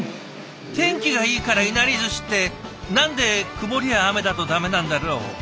天気がいいからいなりずしって何で曇りや雨だとダメなんだろう？